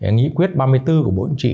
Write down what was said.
nghĩ quyết ba mươi bốn của bộ chỉ